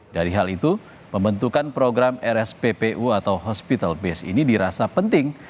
dari hal itu pembentukan program rsppu atau hospital base ini dirasa penting